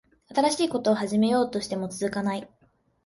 新しいこと始めようとしても続かない